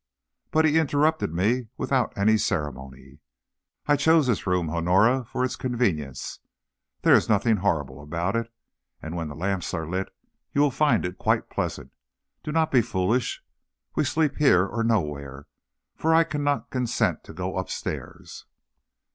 But he interrupted me without any ceremony. "I chose this room, Honora, for its convenience. There is nothing horrible about it, and when the lamps are lit you will find it quite pleasant. Do not be foolish. We sleep here or nowhere, for I cannot consent to go upstairs."